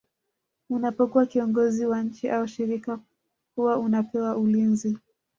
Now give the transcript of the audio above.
unapokuwa kiongozi wa nchi au shirika huwa unapewa ulinzi